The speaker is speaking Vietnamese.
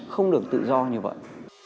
không được tự do như vậy